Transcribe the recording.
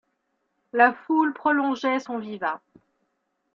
La foule prolongeait son vivat.